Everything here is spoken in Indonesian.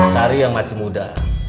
cari yang masih muda